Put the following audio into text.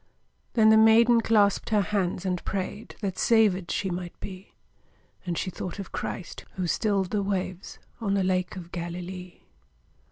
Then the maiden clasped her hands and prayed That savèd she might be; And she thought of Christ, who stilled the waves On the Lake of Galilee.